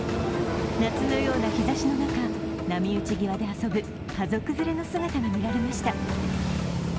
夏のような日差しの中波打ち際で遊ぶ家族連れの姿が見られました。